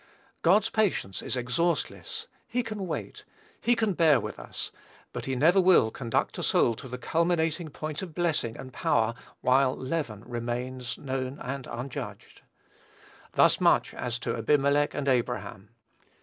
God's patience is exhaustless. He can wait. He can bear with us; but he never will conduct a soul to the culminating point of blessing and power while leaven remains known and unjudged. Thus much as to Abimelech and Abraham.